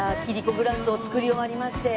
グラスを作り終わりまして。